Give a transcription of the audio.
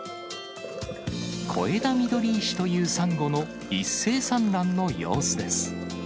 コエダミドリイシというサンゴの一斉産卵の様子です。